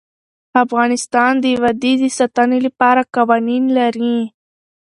افغانستان د وادي د ساتنې لپاره قوانین لري.